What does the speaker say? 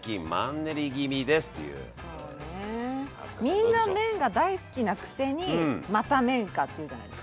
みんな麺が大好きなくせに「また麺か」って言うじゃないですか。